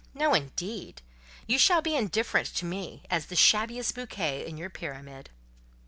No, indeed; you shall be indifferent to me, as the shabbiest bouquet in your pyramid."